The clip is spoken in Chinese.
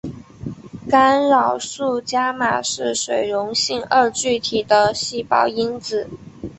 干扰素伽玛是水溶性二聚体的细胞因子。